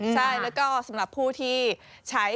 ใช่แล้วก็สำหรับผู้ที่ใช้